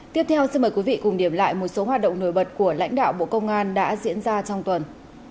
tiếp theo xin mời quý vị cùng điểm lại một số hoạt động nổi bật của lãnh đạo bộ công an đã diễn ra trong tuần